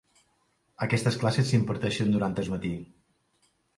Aquestes classes s'imparteixen durant el matí.